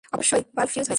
অবশ্যই, bulb fuse হয়েছে।